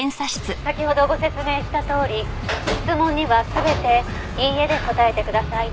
「先ほどご説明したとおり質問には全ていいえで答えてください」